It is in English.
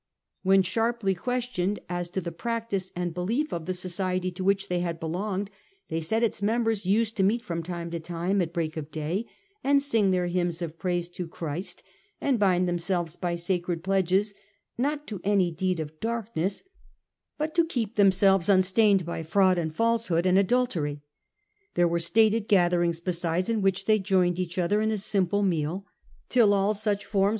When sharply questioned as to the practice and belief of the society to which they had belonged, they said its members used to meet from time to time at break of day, and sing their hymns of praise to Christ, and bind themselves by sacred pledges, not to any deed of darkness, but to keep them selves unstained by fraud, and falsehood, and adultery. There were stated gatherings besides, in which they joined each other in a simple meal, till all such forms oi CH.